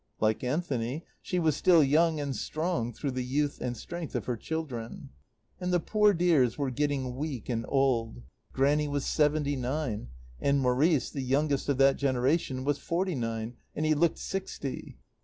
Like Anthony she was still young and strong through the youth and strength of her children. And the poor dears were getting weak and old. Grannie was seventy nine, and Maurice, the youngest of that generation, was forty nine, and he looked sixty.